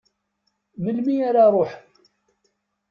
Melmi ara ruḥen?